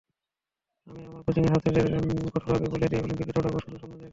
আমি আমার কোচিংয়ের ছাত্রদের কঠোরভাবে বলে দিই, অলিম্পিকে দৌড়াবা শুধু স্বর্ণজয়ের জন্য।